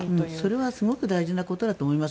それはすごく大事なことだと思います。